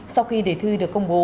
sau khi đề thi được xử